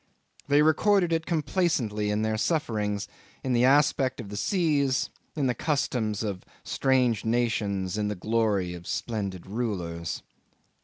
They recorded it complacently in their sufferings, in the aspect of the seas, in the customs of strange nations, in the glory of splendid rulers.